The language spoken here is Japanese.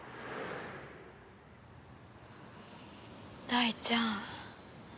大ちゃん。